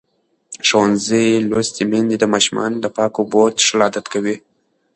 ښوونځې لوستې میندې د ماشومانو د پاکو اوبو څښل عادت کوي.